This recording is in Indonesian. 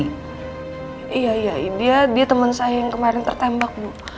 iya iya dia teman saya yang kemarin tertembak bu